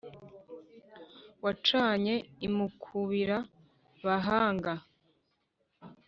wacanye i mukubira-bahanga,